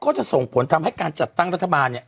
ก็จะส่งผลทำให้การจัดตั้งรัฐบาลเนี่ย